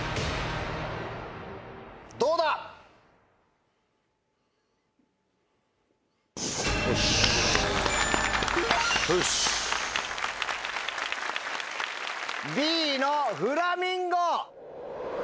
どうだ⁉Ｂのフラミンゴ。